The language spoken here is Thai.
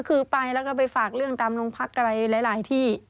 ก็คือไปแล้วก็ไปฝากเรื่องตามโรงพักอะไรหลายที่